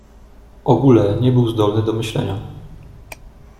ogóle nie był zdolny do myślenia.